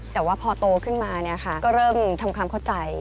แต่ว่าพอโตขึ้นมาก็เริ่มทำความเข้าใจ